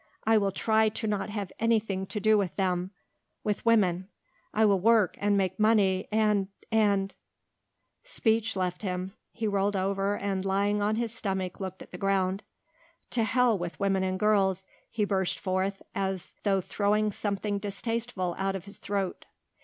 I will try to not have anything to do with them with women. I will work and make money and and " Speech left him. He rolled over and lying on his stomach looked at the ground. "To Hell with women and girls," he burst forth as though throwing something distasteful out of his throat.